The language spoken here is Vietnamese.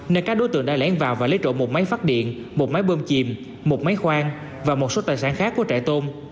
nên các đối tượng đã lén vào và lấy trộm một máy phát điện một máy bơm chìm một máy khoang và một số tài sản khác của trại tôm